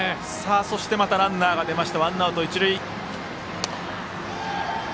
そしてまたランナーが出てワンアウト、一塁。